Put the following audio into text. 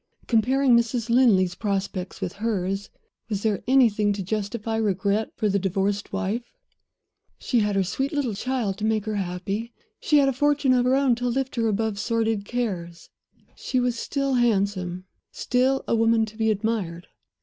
Comparing Mrs. Linley's prospects with hers, was there anything to justify regret for the divorced wife? She had her sweet little child to make her happy; she had a fortune of her own to lift her above sordid cares; she was still handsome, still a woman to be admired.